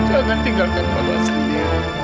jangan tinggalkan padaku sendiri